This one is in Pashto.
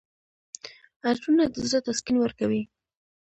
عطرونه د زړه تسکین ورکوي.